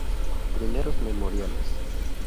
Primeros Memoriales.